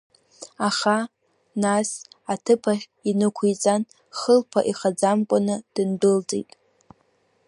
Аха, нас, аҭыԥахь инықәиҵан, хылԥа ихаӡамкәаны дындәылҵит.